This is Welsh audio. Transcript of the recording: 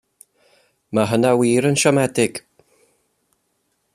Mae hynna wir yn siomedig.